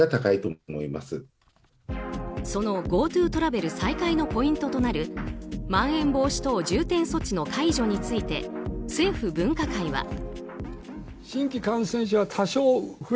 そのＧｏＴｏトラベル再開のポイントとなるまん延防止等重点措置の解除について政府分科会は。